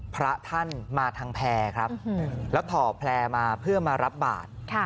พระท่านมาทางแพร่ครับแล้วถ่อแพร่มาเพื่อมารับบาท